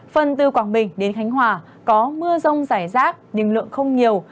phần từ quảng bình đến khánh hòa có mưa rông rải rác nhưng lượng không nhiều